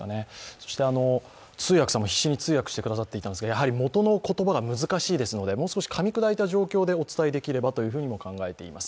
そして通訳さんも必死に通訳してくださってたんですがもとの言葉が難しいのですので、もう少しかみ砕いた状況でお伝えできればとも考えています。